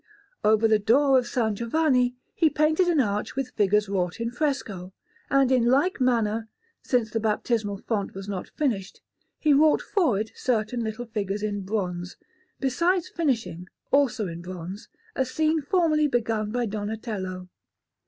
Over the door of S. Giovanni he painted an arch with figures wrought in fresco; and in like manner, since the baptismal font was not finished, he wrought for it certain little figures in bronze, besides finishing, also in bronze, a scene formerly begun by Donatello.